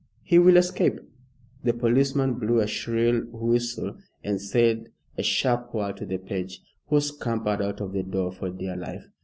He will escape!" The policeman blew a shrill whistle and said a sharp word to the page, who scampered out of the door for dear life.